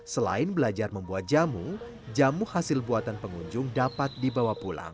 selain belajar membuat jamu jamu hasil buatan pengunjung dapat dibawa pulang